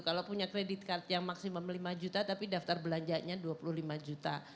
kalau punya kredit card yang maksimum lima juta tapi daftar belanjanya dua puluh lima juta